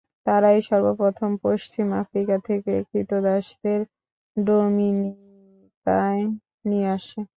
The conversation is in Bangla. তারাই সর্বপ্রথম পশ্চিম আফ্রিকা থেকে ক্রীতদাসদের ডোমিনিকায় নিয়ে আসে।